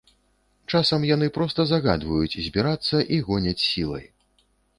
Часам яны проста загадваюць збірацца і гоняць сілай.